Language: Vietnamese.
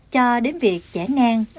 cho đến việc chẽ nang